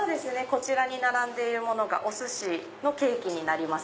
こちらに並んでいるものがお寿司のケーキになります。